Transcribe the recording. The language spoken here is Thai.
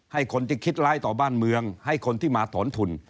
ให้คนที่คิดร้ายต่อบ้านเมืองให้คนที่มาถอนทุน